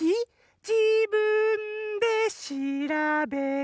「じぶんでしらべて」